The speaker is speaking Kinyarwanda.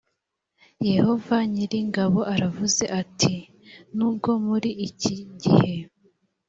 yehova nyir ingabo aravuze ati nubwo muri iki gihe